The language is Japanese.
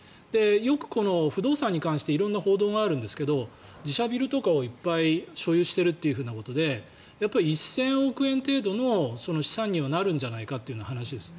よく不動産に関して色んな報道があるんですが自社ビルとかをいっぱい所有しているということでやっぱり１０００億円程度の資産にはなるんじゃないかという話です。